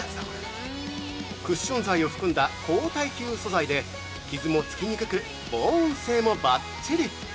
クッション材を含んだ高耐久素材で、傷もつきにくく防音性もばっちり！